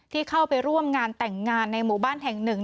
ที่เข้าไปร่วมงานแต่งงานในหมู่บ้านแห่งหนึ่ง